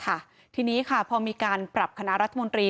ค่ะทีนี้ค่ะพอมีการปรับคณะรัฐมนตรี